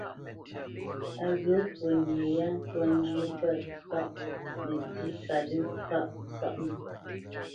Á ghyə̂ fwo nye yâ ntwá njyə́ pə̂ tâʼ nətsí kalə́ŋ kâʼ a sáʼnə̄.